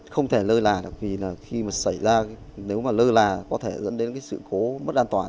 không thể lơ là vì khi xảy ra nếu lơ là có thể dẫn đến sự khố mất an toàn